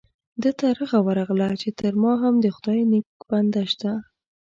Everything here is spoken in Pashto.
ده ته رخه ورغله چې تر ما هم د خدای نیک بنده شته.